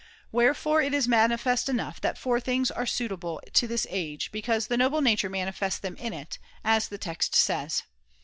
Wherefore it is manifest enough that four things are suit able to this age ; because the noble nature manifests them in it, ) as the text says.